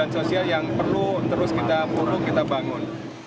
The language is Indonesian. sosial yang perlu terus kita bangun